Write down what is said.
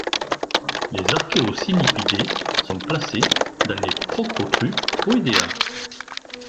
Les Archaeocynipidae sont placés dans les Proctotrupoidea.